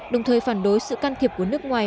đồng thời phản đối sự can thiệp của nước ngoài